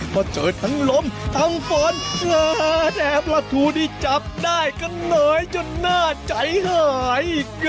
พอเจอทั้งลมทั้งฝนแต่ปลาทูนี่จับได้ก็เหงยจนน่าใจหาย